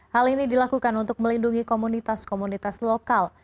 hal ini dilakukan untuk melindungi komunitas komunitas lokal